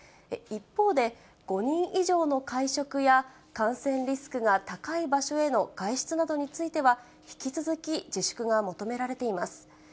一方で、５人以上の会食や感染リスクが高い場所への外出などについては、引き続き自粛が求められています。